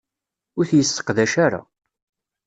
Ur t-yesseqdac ara.